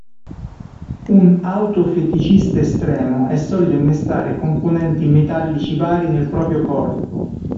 Un auto-feticista estremo è solito innestare componenti metallici vari nel proprio corpo.